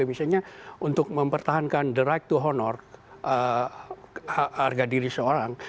misalnya untuk mempertahankan direct to honor harga diri seorang